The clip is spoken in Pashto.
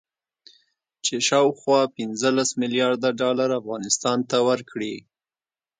چې شاوخوا پنځلس مليارده ډالر افغانستان ته ورکړي